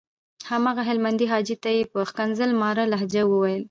هماغه هلمندي حاجي ته یې په ښکنځل ماره لهجه وويل.